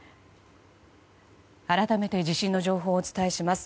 改めて地震の情報をお伝えします。